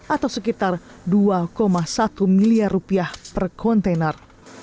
atau sekitar rp dua satu miliar per kontainer